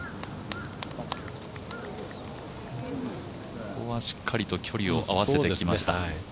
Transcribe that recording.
ここはしっかりと距離を合わせてきました。